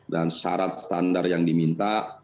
dan syarat standar yang diminta